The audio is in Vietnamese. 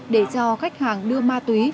để cho khách hàng đưa ma túy